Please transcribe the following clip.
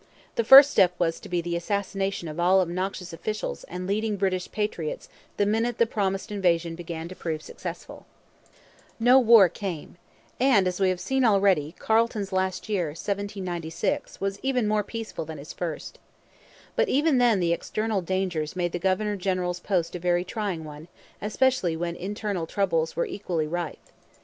The first step was to be the assassination of all obnoxious officials and leading British patriots the minute the promised invasion began to prove successful. No war came. And, as we have seen already, Carleton's last year, 1796, was more peaceful than his first. But even then the external dangers made the governor general's post a very trying one, especially when internal troubles were equally rife.